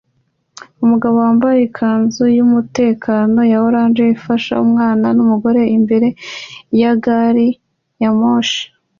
Umugabo wambaye ikanzu yumutekano ya orange afasha umwana numugore imbere ya gari ya moshi